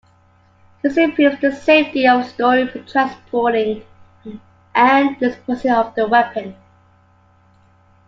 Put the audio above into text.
This improves the safety of storing, transporting, and disposing of the weapon.